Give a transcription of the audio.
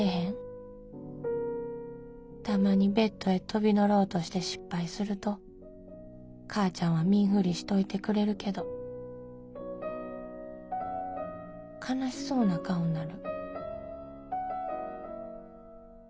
たまにベッドへ飛び乗ろうとして失敗するとかーちゃんは見んふりしといてくれるけど悲しそうな顔んなる」。